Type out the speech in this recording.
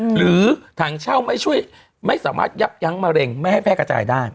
หรือถังเช่าไม่สามารถยับยั้งมะเร็งไม่ให้แพร่กระจายได้